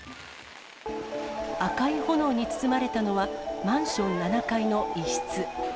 赤い炎に包まれたのは、マンション７階の一室。